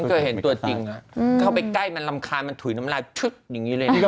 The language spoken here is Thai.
เคยเห็นตัวจริงเข้าไปใกล้มันรำคาญมันถุยน้ำลายพึกอย่างนี้เลยนะ